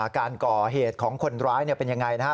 การก่อเหตุของคนร้ายเป็นยังไงนะครับ